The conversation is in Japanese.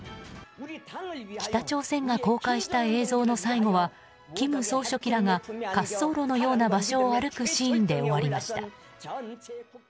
北朝鮮が公開した映像の最後は金総書記らが滑走路のような場所を歩くシーンで終わりました。